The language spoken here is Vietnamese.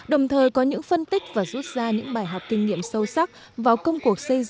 đồng thời có những phân tích và rút ra những bài học kinh nghiệm sâu sắc vào công cuộc xây dựng